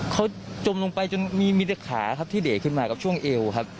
เขาจมลงไปจนมีแต่ขาครับที่เดทขึ้นมากับช่วงเอวครับ